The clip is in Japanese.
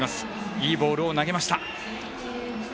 いいボールを投げました。